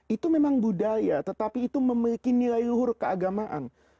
itu memang budaya tetapi itu memiliki nilai luhur keagamaan